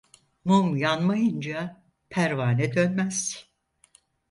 Mum yanmayınca pervane dönmez.